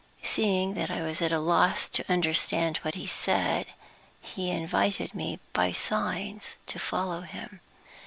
Seeing that I was at a loss to understand what he said, he invited me by signs to follow him.